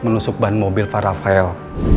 masuk ban mobil para file